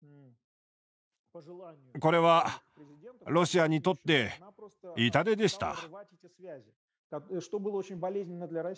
これはロシアにとって痛手でした。